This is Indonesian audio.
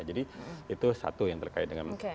jadi itu satu yang terkait dengan